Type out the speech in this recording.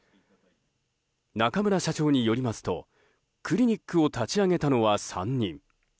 中村社長によりますとクリニックを立ち上げたのは３人。